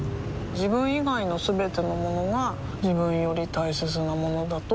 自分以外のすべてのものが自分より大切なものだと思いたい